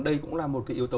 đây cũng là một cái yếu tố